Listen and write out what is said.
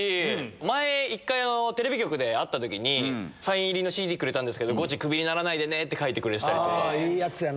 前、一回、テレビ局で会ったときに、サイン入りのＣＤくれたんですけど、ゴチ、クビにならないでねっいいやつやな。